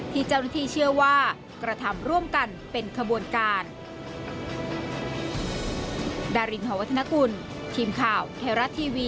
ที่เจ้าหน้าที่เชื่อว่ากระทำร่วมกันเป็นขบวนการ